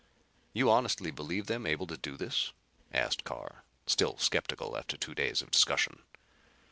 "You honestly believe them able to do this?" asked Carr, still skeptical after two days of discussion.